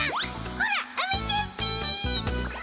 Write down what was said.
ほらアメちゃんっピィ！